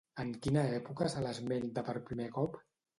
En quina època se l'esmenta per primer cop?